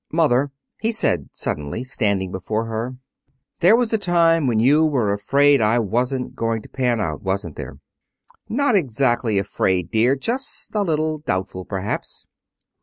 "Mother," he said suddenly, standing before her, "there was a time when you were afraid I wasn't going to pan out, wasn't there?" "Not exactly afraid, dear, just a little doubtful, perhaps."